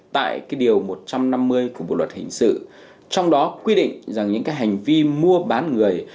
tại cái điều một trăm năm mươi của bộ luật hình sự trong đó quy định rằng những cái hành vi mua bán người